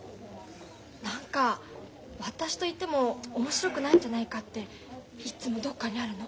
何か私といても面白くないんじゃないかっていっつもどっかにあるの。